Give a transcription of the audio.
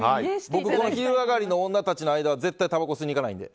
僕「昼上がりのオンナたち」の間は絶対にたばこ吸いに行かないんで。